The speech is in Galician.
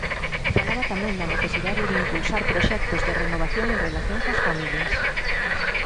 Falaba tamén da necesidade de impulsar proxectos de renovación en relación coas familias.